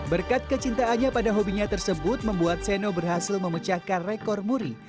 berkat kecintaannya pada hobinya tersebut membuat seno berhasil memecahkan rekor muri